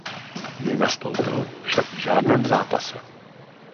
Nenastoupil však v žádném zápase.